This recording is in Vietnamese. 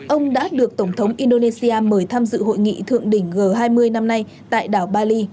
ông đã được tổng thống indonesia mời tham dự hội nghị thượng đỉnh g hai mươi năm nay tại đảo bali